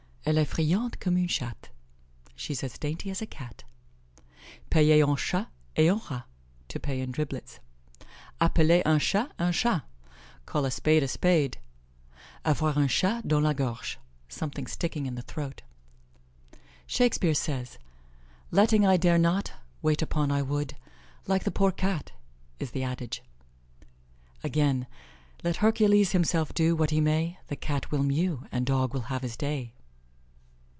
"Elle est friande comme une chatte." (She's as dainty as a Cat.) "Payer en Chats et en rats." (To pay in driblets.) "Appeler un Chat un Chat." (Call a spade a spade.) "Avoir un Chat dans la gorge." (Something sticking in the throat.) Shakespeare says: "Letting 'I dare not' wait upon 'I would,' Like the poor Cat i'the adage." Again: "Let Hercules himself do what he may, The Cat will mew, and Dog will have his day."